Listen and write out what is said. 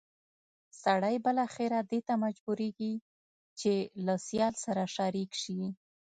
سړی بالاخره دې ته مجبورېږي چې له سیال سره شریک شي.